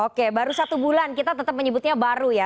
oke baru satu bulan kita tetap menyebutnya baru ya